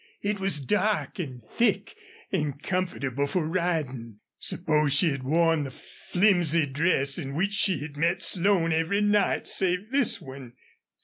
It was dark and thick, and comfortable for riding. Suppose she had worn the flimsy dress, in which she had met Slone every night save this one?